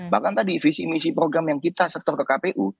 bahkan tadi visi misi program yang kita setor ke kpu